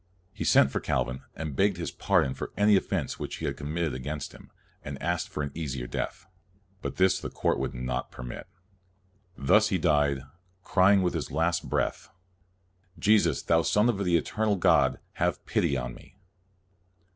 He sent for Calvin and begged his pardon for any offense which he had committed against him, and asked for an easier death; but this the court would not permit. Thus he died, crying with his last breath, " Jesus, n8 CALVIN thou Son of the eternal God, have pity on me